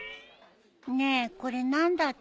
ねえこれ何だって？